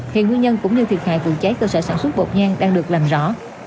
hiện nguyên nhân cũng như thiệt hại vụ cháy cơ sở sản xuất bột nhan đang được làm rõ